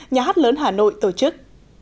nhà hát lớn hà nội tổ chức